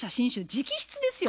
直筆ですよ。